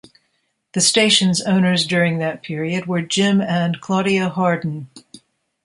The station's owners during that period were Jim and Claudia Harden.